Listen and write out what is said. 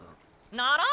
ならん！